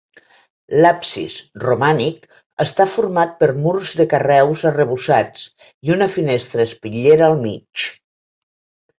L'absis, romànic, està format per murs de carreus arrebossats i una finestra espitllera al mig.